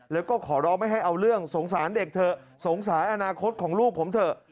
แล้วก็ขอร้องไม่ให้เอาเรื่องสงสารเด็กเถอะสงสารอนาคตของลูกผมเถอะ